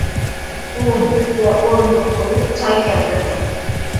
ئۇ بىزگە ئورۇندۇق قويۇپ، چاي كەلتۈردى.